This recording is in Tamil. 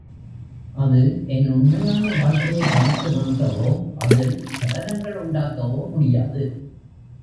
அது என் உண்மையான வாழ்க்கையைத் தடுத்து நிறுத்தவோ அதில் சலனங்களுண்டாக்கவோ முடியாது.